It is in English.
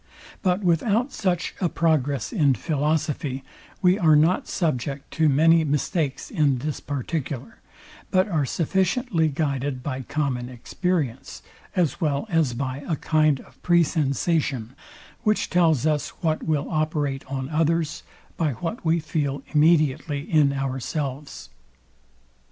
But without such a progress in philosophy, we are not subject to many mistakes in this particular, but are sufficiently guided by common experience, as well as by a kind of presentation; which tells us what will operate on others, by what we feel immediately in ourselves.